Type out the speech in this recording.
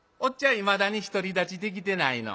いまだに独り立ちできてないの。